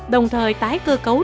đồng thời tái cơ cấu